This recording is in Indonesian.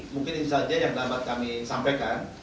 mungkin ini saja yang dapat kami sampaikan